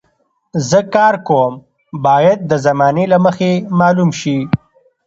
زه کار کوم باید د زمانې له مخې معلوم شي.